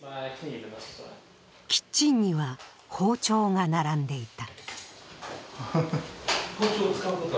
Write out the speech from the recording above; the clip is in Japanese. キッチンには包丁が並んでいた。